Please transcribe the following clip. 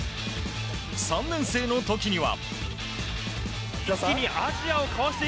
３年生の時には。